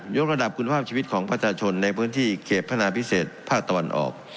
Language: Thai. กระดับคุณภาพชีวิตของประชาชนในพื้นที่เขตพนาพิเศษภาคตะวันออก